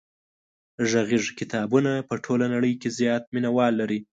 غږیز کتابونه په ټوله نړۍ کې زیات مینوال لري.